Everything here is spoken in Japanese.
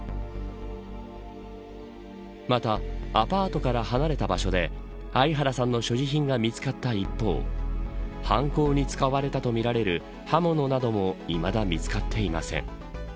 また、アパートから離れた場所でアイハラさんの所持品が見つかった一方犯行に使われたとみられる刃物などもいまだ見つかっていません。